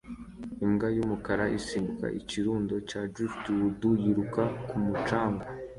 Imbwa y'umukara isimbuka ikirundo cya driftwood yiruka ku mucanga